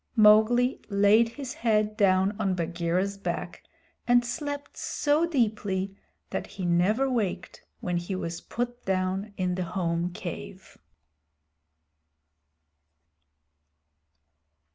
Mowgli laid his head down on Bagheera's back and slept so deeply that he never waked when he was put down in the home cave.